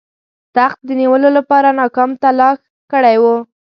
تخت د نیولو لپاره ناکام تلاښ کړی وو.